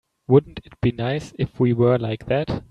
Wouldn't it be nice if we were like that?